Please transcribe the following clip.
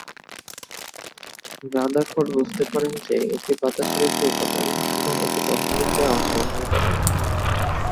Rutherford বুঝতে পারেন যে এটি বাতাসের একটি উপাদান এবং এটি দহন বিক্রিয়ায় অংশগ্রহণ করে না।